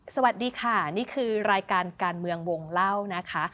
สวัสดีค่ะนี่คือรายการการเมืองวงเล่านะคะ